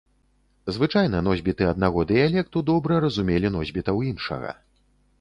Звычайна носьбіты аднаго дыялекту добра разумелі носьбітаў іншага.